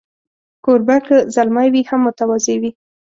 کوربه که زلمی وي، هم متواضع وي.